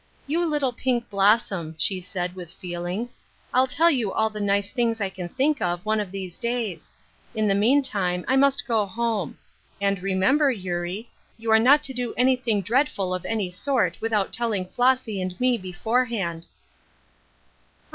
" You little pink blossom," she said, with feel ing, " I'll tell you all the nice things I c^n think of, one of these days. In the meantime 1 must go home ; and remember, Eurie, you are not to 38 tiath Urskine's Crosses. do anything dreadful of any sort without telling Flobsy and me beforehand."